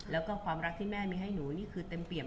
แล้วก็ความรักที่แม่มีให้หนูนี่คือเต็มเปี่ยม